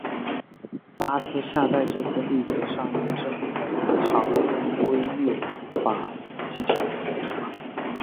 巴斯夏在这个例子上也证明了他巧妙的归谬法技巧。